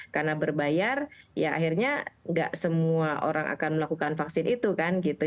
karena berbayar ya akhirnya nggak semua orang akan melakukan vaksin itu kan gitu